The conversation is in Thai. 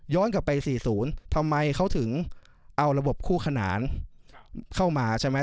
ย้อนกลับไปสี่ศูนย์ทำไมเขาถึงเอาระบบคู่ขนานเข้ามาใช่ไหม